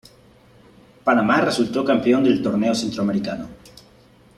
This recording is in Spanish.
Panamá resultó campeón del torneo Centroamericano.